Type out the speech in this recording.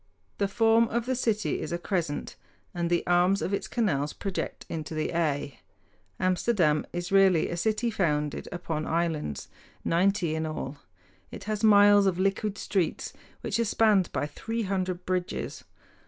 The form of the city is a crescent, and the arms of its canals project into the Y. Amsterdam is really a city founded upon islands, ninety in all. It has miles of liquid streets, which are spanned by three hundred bridges.